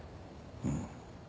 うん。